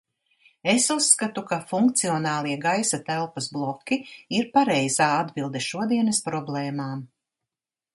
Es uzskatu, ka funkcionālie gaisa telpas bloki ir pareizā atbilde šodienas problēmām.